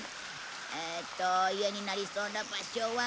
えっと家になりそうな場所は。